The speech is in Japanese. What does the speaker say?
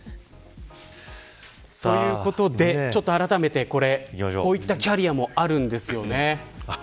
ということで、あらためてこういったキャリアもあるんですよね。